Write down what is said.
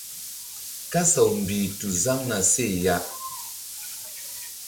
Kasaw mbih tu zaŋ na seh ya.